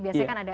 biasanya kan ada